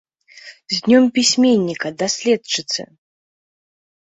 З днём пісьменніка, даследчыцы!